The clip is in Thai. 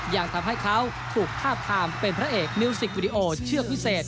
ยังทำให้เขาถูกทาบทามเป็นพระเอกมิวสิกวิดีโอเชือกพิเศษ